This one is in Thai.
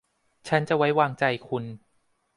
ฉันจะไว้วางใจคุณ